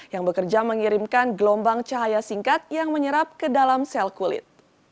yang bekerja mengirimkan gelombang cahaya singkat yang menyerap ke dalam sel kulit